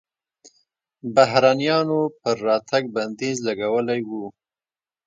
بهرنیانو پر راتګ بندیز لګولی و.